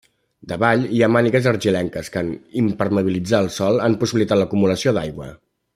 Davall, hi ha mànigues argilenques que en impermeabilitzar el sòl han possibilitat l'acumulació d'aigua.